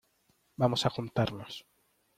vamos a juntarnos.